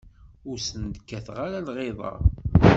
Ur sent-kkateɣ ara lɣiḍa.